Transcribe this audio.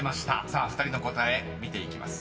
さあ２人の答え見ていきます］